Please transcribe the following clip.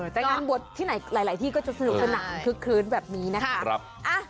แต่งานบวชที่ไหนหลายที่ก็จะซื้อขนาดคลึกแบบนี้นะครับ